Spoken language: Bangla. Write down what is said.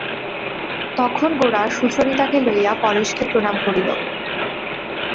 তখন গোরা সুচরিতাকে লইয়া পরেশকে প্রণাম করিল।